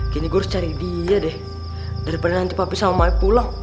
gini gua harus cari dia deh daripada nanti papi sama maip pulang